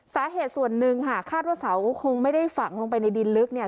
สาเหตุส่วนหนึ่งค่ะคาดว่าเสาคงไม่ได้ฝังลงไปในดินลึกเนี่ย